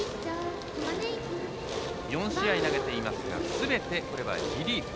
４試合投げていますがすべてリリーフ。